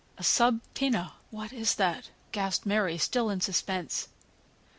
"A sub poena what is that?" gasped Mary, still in suspense.